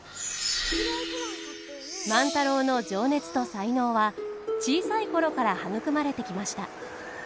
万太郎の情熱と才能は小さい頃から育まれてきました。